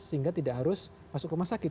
sehingga tidak harus masuk rumah sakit